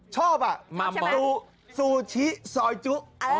ชอบซูชิซอยจุ